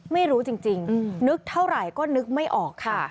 ไม่รู้จริงจริงทรัพย์นึกเท่าไหร่ก็นึกไม่ออกค่ะ